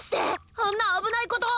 あんなあぶないことを！